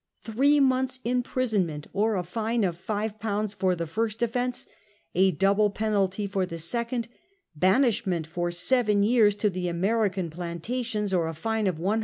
Three months 1 imprisonment or a fine of 5/. for the first offence, a double penalty for the second, banishment for seven years to the American plantations or a fine of 100